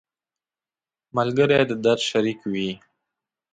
ملګری د درد شریک وي